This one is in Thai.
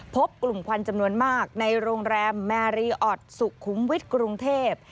พบกลุ่มควันจำนวนมากในโรงแรมแมรีออดสุขุมวิทย์กรุงเทพ